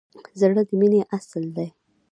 زړه د مینې اصل دی.